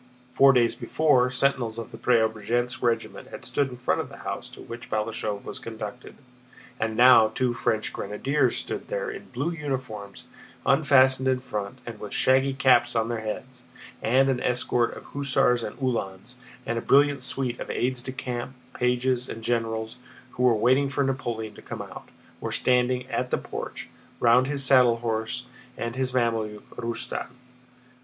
Four days before, sentinels of the Preobrazhénsk regiment had stood in front of the house to which Balashëv was conducted, and now two French grenadiers stood there in blue uniforms unfastened in front and with shaggy caps on their heads, and an escort of hussars and Uhlans and a brilliant suite of aides de camp, pages, and generals, who were waiting for Napoleon to come out, were standing at the porch, round his saddle horse and his Mameluke, Rustan.